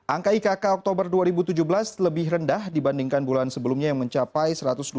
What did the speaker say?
angka ikk oktober dua ribu tujuh belas lebih rendah dibandingkan bulan sebelumnya yang mencapai satu ratus dua puluh